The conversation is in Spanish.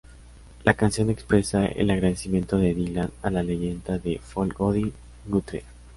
La canción expresa el agradecimiento de Dylan a la leyenda del folk Woody Guthrie.